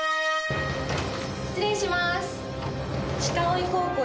失礼します。